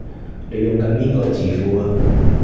你用緊邊個字庫啊？